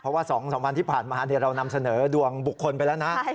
เพราะว่า๒๓วันที่ผ่านมาเรานำเสนอดวงบุคคลไปแล้วนะ